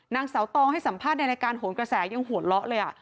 นางเสาตองให้สัมภาษณ์ในรายการโหงกระแสยังโหละเลยอ่ะ